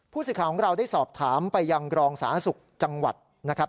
ผู้สิทธิ์ของเราได้สอบถามไปยังรองสาสุกจังหวัดนะครับ